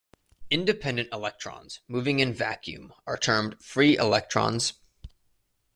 Independent electrons moving in vacuum are termed "free" electrons.